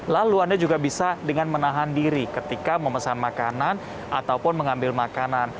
lalu anda juga bisa dengan menahan diri ketika memesan makanan ataupun mengambil makanan